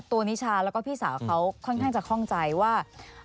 นิชาแล้วก็พี่สาวเขาค่อนข้างจะคล่องใจว่า